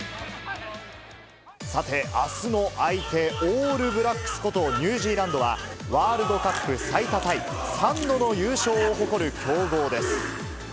さて、あすの相手、オールブラックスことニュージーランドは、ワールドカップ最多タイ、３度の優勝を誇る強豪です。